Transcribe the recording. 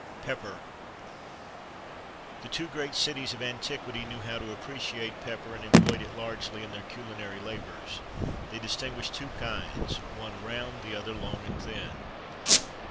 PEPPER. The two great cities of antiquity knew how to appreciate pepper, and employed it largely in their culinary labours. They distinguished two kinds: one round, the other long and thin.